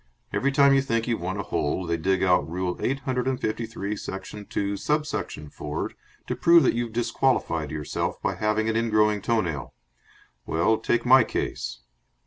Every time you think you've won a hole, they dig out Rule eight hundred and fifty three, section two, sub section four, to prove that you've disqualified yourself by having an ingrowing toe nail. Well, take my case."